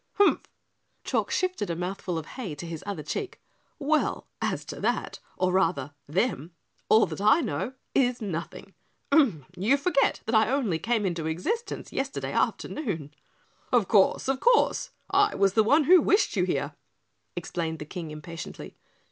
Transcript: "Humph!" Chalk shifted a mouthful of hay to his other cheek. "Well, as to that, or rather them, all that I know is nothing. You forget that I only came into existence yesterday afternoon." "Of course, of course! I was the one who wished you here," explained the King impatiently.